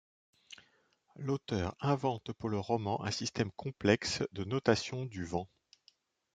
L'auteur invente pour le roman un système complexe de notation du vent.